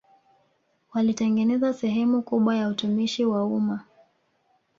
Walitengeneza sehemu kubwa ya utumishi wa umma